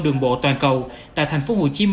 đường bộ toàn cầu tại tp hcm